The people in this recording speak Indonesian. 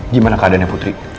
gimana keadaannya putri